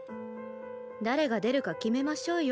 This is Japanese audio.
誰が出るか決めましょうよ。